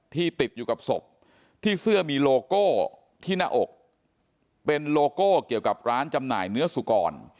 ติดอยู่กับศพที่เสื้อมีโลโก้ที่หน้าอกเป็นโลโก้เกี่ยวกับร้านจำหน่ายเนื้อสุกร